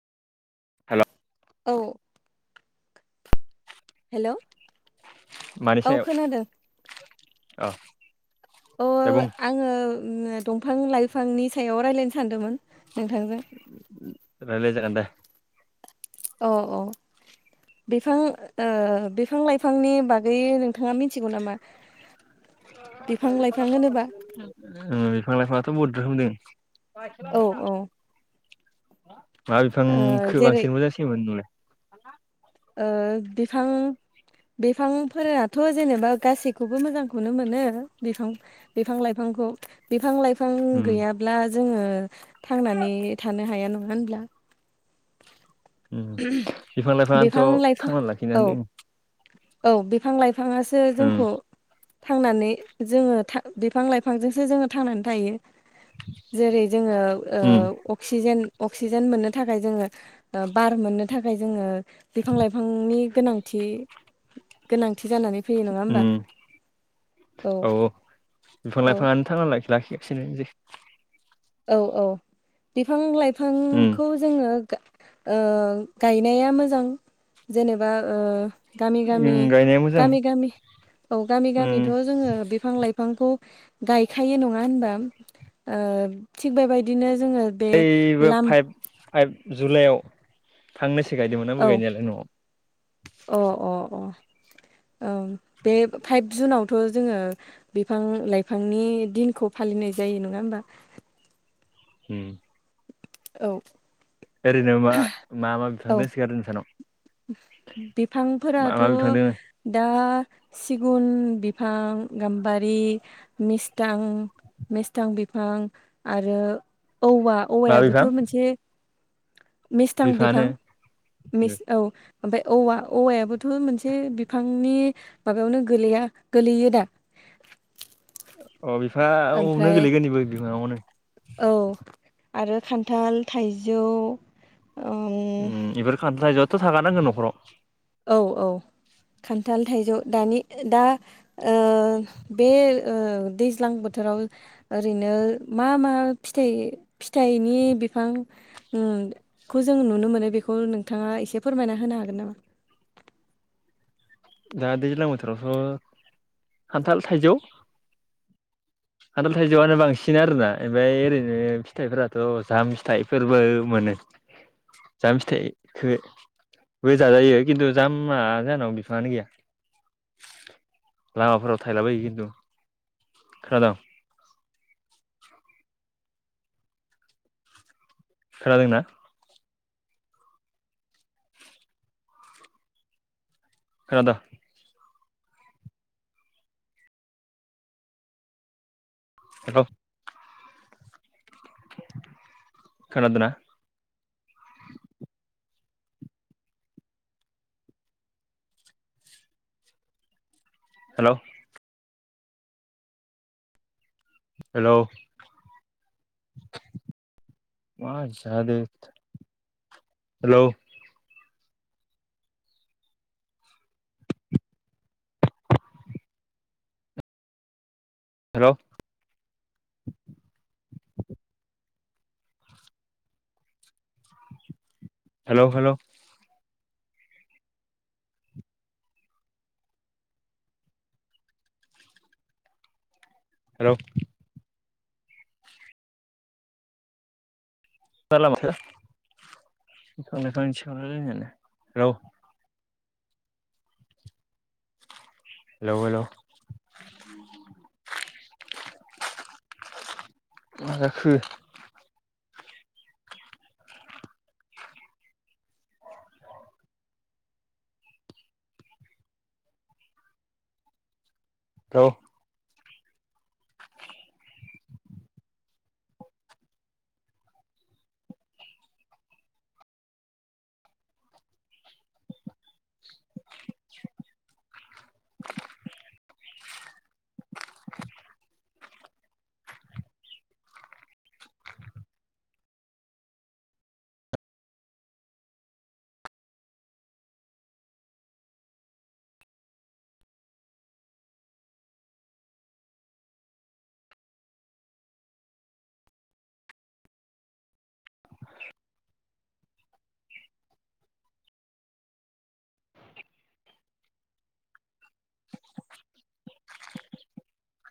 हेल' औ हेल' औ खोनादों? औ अ आङो दंफां लाइफांनि सायाव राय्लायनो सानदोंमोन नोंथांजों रायलाय जागोन दे अ अ बिफां बिफां लाइफांनि बागै नों नोंथाङा मिथिगौ नामा? बिफां लाइफां होनोबा [unintelligible] बिफां लाइफांआथ' बहुद रोखोम दों औ औ मा ओ बिफांखौ जेरै बांसिन मोजांसिन मोनो नोंलाय? ओ बिफां बिफांफोराथ' जेनेबा गासि खौबो मोजांखौनो मोनो बिफां बिफां लाइफांखौ बिफां लाइफां उम गैयाब्ला जोङो थांनानै थानो हाया नङा होनब्ला? उम बिफां लाइफाङथ' थांनानै लाखिनो औ होनदों। औ बिफां लाइफाङासो जोंखौ थांनानै जोङो बिफां लाइफांजोंसो जोङो थांनानै थायो। जेरै जोङो ओ उम अक्सिजेन अक्सिजेन मोननो थाखाय जोङो बार मोननो थाखाय जोङो बिफां लाइफांनि गोनांथि गोनांथि जानानै फैयो नङा उम होमबा! औ बिफां औ लाइफाङानो थांना लाखि लाखिगासिनोसै औ औ बिफां उम लाइफांखौ जोङो गा ओ गायनाया मोजां जेनेबा ओ गामि गामि उम गायनाया मोजां गामि गामि औ गामि उम गामिथ जोङो बिफां लाइफांखौ गायखायो नङा होनबा ओ थिग बेबायदिनो जोङो बे ओइबो लाम फाइभ फाइभ जुलाइआव फांनैसो गायदोंमोन औ आंबो गायनायालाय नआव [inaudible] औ बे फाइभ जुनावथ जोङो बिफां लाइफांनि दिनखौ फालिनाय जायो नङा होमबा। ओम। औ। ओरैनो मा मा मा बिफां औ दोंसोगारो नोंसानाव? मा बिफांफोराथ मा बिफां दोङो दा सिगुन बिफां गाम्बारि मिस्थां मेस्थां बिफां आरो औवा मा औवायाबोथ बिफां मोनसे मिस्थां बिफाङानो बिफां मिस औ ओमफ्राय औवा औवायाबोथ मोनसे बिफांनि माबायावनो गोलैया गोलैयो दा। [unintelligible] अ बिफांआ औनो ओमफ्राय गोलैगोन इबो बिफांआवनो औ आरो खान्थाल थाइजौ ओम इफोर खान्थायजोआथ थाखानांगो नखराव औ औ खान्थाल थाइजौ दानि दा ओ बे ओ दैज्लां बोथोराव ओरैनो मा मा फिथाइ फिथाइनि बिफां ओम खौ जों नुनो मोनो बेखौ नोंथाङा एसे फोरमायना होनो हागोन नामा? [inaudible] दा दैज्लां बोथोरावथ खान्थाल थाइजौ खाथाल थाइजौआनो बांसिन आरोना ओमफ्राय ओरैनो फिथाइफोराथ जाम फिथाइफोरबो मोनो। जाम फिथाइखो बो जाजायो खिन्थु जामआ जाहानाव बिफाङानो गैया। लामाफोराव थायलाबायो खिन्थु खोनादों खोनादोंना? खोनाद? हेलौ। खोनादोना? हेलौ। हेलौ। मा जादो hello. Hello. Hello hello hello जारला माथो [unintelligible] हेलौ हेलौ हेलौ मा जाखो? [unintelligible] [inaudible]